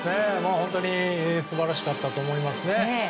本当に素晴らしかったと思います。